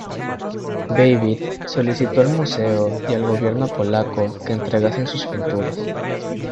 Babbitt solicitó al museo y al gobierno polaco que le entregasen sus pinturas.